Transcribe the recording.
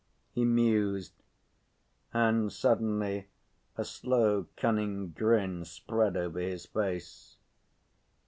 He mused, and suddenly a slow, cunning grin spread over his face.